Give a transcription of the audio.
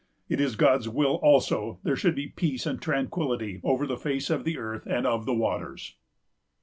It is God's will also there should be peace and tranquillity over the face of the earth and of the waters."